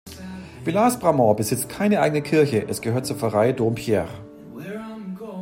Villars-Bramard besitzt keine eigene Kirche, es gehört zur Pfarrei Dompierre.